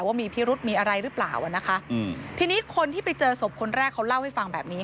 ว่ามีพิรุษมีอะไรหรือเปล่าอ่ะนะคะอืมทีนี้คนที่ไปเจอศพคนแรกเขาเล่าให้ฟังแบบนี้